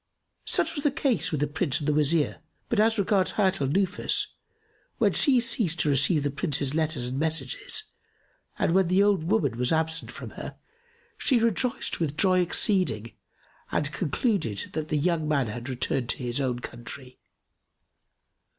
Such was the case with the Prince and the Wazir; but as regards Hayat al Nufus, when she ceased to receive the Prince's letters and messages and when the old woman was absent from her, she rejoiced with joy exceeding and concluded that the young man had returned to his own country.